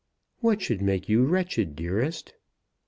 "What should make you wretched, dearest?"